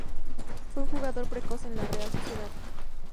Fue un jugador precoz en la Real Sociedad.